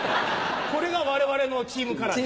これが我々のチームカラーです。